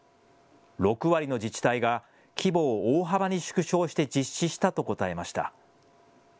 ６割の自治体が規模を大幅に縮小して実施したと答えました。